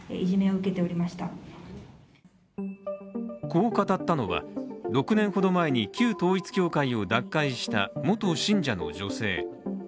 こう語ったのは、６年ほど前に旧統一教会を脱会した元信者の女性。